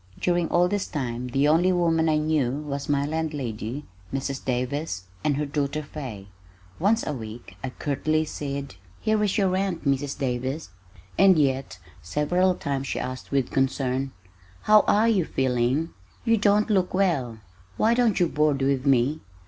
During all this time the only woman I knew was my landlady, Mrs. Davis, and her daughter Fay. Once a week I curtly said, "Here is your rent, Mrs. Davis," and yet, several times she asked with concern, "How are you feeling? You don't look well. Why don't you board with me?